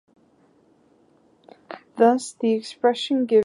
Thus, the expression gives rise to the dispersion relation.